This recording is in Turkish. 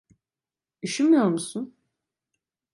Üşümüyor musun?